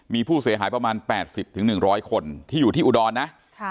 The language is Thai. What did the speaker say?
มีผู้เสียหายประมาณ๘๐๑๐๐คนที่อยู่ที่อุดรนะ